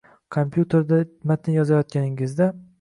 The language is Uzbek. Kompyuterda matn yozayotganingizda